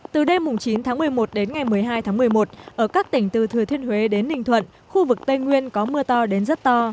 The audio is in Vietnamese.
từ đêm chín tháng một mươi một đến ngày một mươi hai tháng một mươi một ở các tỉnh từ thừa thiên huế đến ninh thuận khu vực tây nguyên có mưa to đến rất to